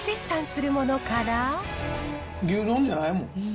牛丼じゃないもん。